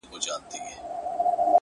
• جنازې دي د بګړیو هدیرې دي چي ډکیږي,